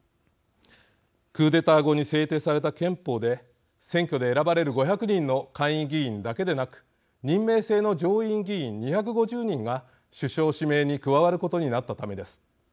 クーデター後に制定された憲法で選挙で選ばれる５００人の下院議員だけでなく任命制の上院議員２５０人が首相指名に加わることになったためです。